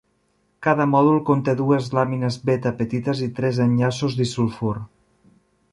Cada mòdul conté dues làmines beta petites i tres enllaços disulfur.